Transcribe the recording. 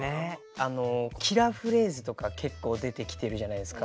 あのキラーフレーズとか結構出てきてるじゃないですか。